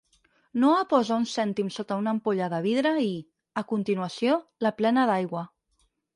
Noah posa un cèntim sota una ampolla de vidre i, a continuació, la plena d'aigua.